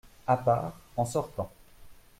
A part, en sortant.